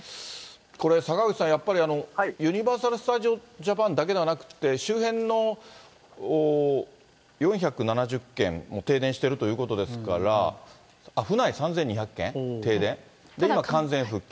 これ、坂口さん、ユニバーサル・スタジオ・ジャパンだけではなくて、周辺の４７０軒も停電してるということですから、今完全復旧。